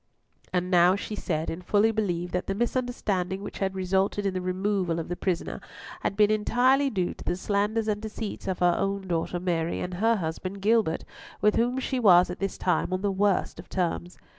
And now she said and fully believed that the misunderstanding which had resulted in the removal of the prisoner had been entirely due to the slanders and deceits of her own daughter Mary, and her husband Gilbert, with whom she was at this time on the worst of terms.